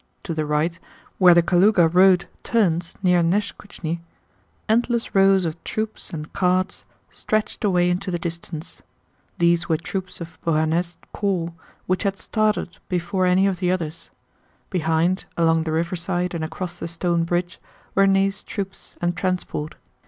To the right, where the Kalúga road turns near Neskúchny, endless rows of troops and carts stretched away into the distance. These were troops of Beauharnais' corps which had started before any of the others. Behind, along the riverside and across the Stone Bridge, were Ney's troops and transport.